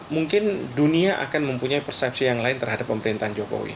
mungkin dunia akan mempunyai persepsi yang lain terhadap pemerintahan jokowi